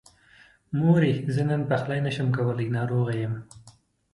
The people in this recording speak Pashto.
مورې! زه نن پخلی نشمه کولی، ناروغه يم.